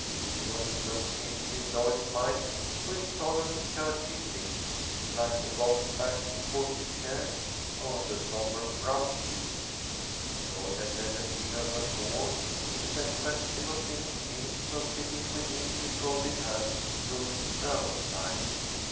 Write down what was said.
Bisbee was associated in Lloyd's mind with solemn churchly things, like the Gothic backed pulpit chairs or the sombre brown pews. Lloyd had never seen her before, except when she was singing hymns, or sitting with meekly folded hands through sermon time.